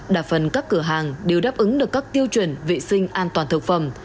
đa phần các cửa hàng đều đáp ứng được các tiêu chuẩn vệ sinh an toàn thực phẩm